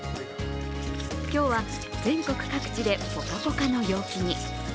今日は全国各地でぽかぽかの陽気に。